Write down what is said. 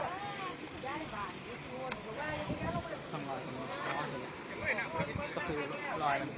ปลากระโปรดเป็นห้อยตีนซับเย็นประมาณ๑๖๐กิโลเมตรได้